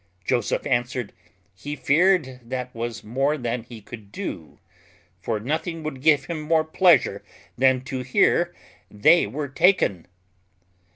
Joseph answered, "He feared that was more than he could do; for nothing would give him more pleasure than to hear they were taken."